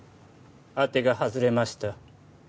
当てが外れました